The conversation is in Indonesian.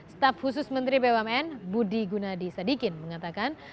staf khusus menteri bumn budi gunadi sadikin mengatakan